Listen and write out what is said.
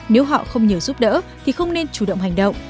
nếu họ không nhiều giúp đỡ thì không nên chủ động hành động